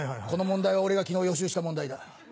この問題は俺が昨日予習した問題だ。